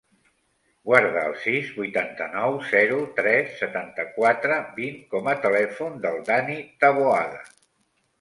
Guarda el sis, vuitanta-nou, zero, tres, setanta-quatre, vint com a telèfon del Dani Taboada.